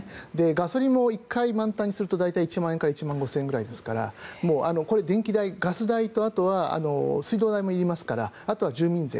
ガソリンも１回満タンにすると大体１万円から１万５０００円くらいですからこれ、電気代、ガス代とあとは水道代もいりますからあとは住民税。